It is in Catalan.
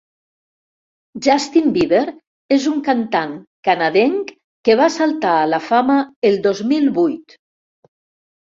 Justin Bieber és un cantant canadenc que va saltar a la fama el dos mil vuit.